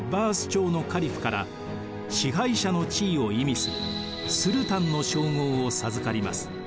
朝のカリフから支配者の地位を意味するスルタンの称号を授かります。